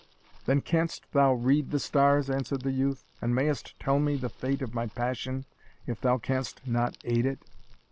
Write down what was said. "Then canst thou read the stars," answered the youth; "and mayest tell me the fate of my passion, if thou canst not aid it?"